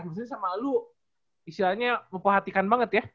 maksudnya sama lo istilahnya mepahatikan banget ya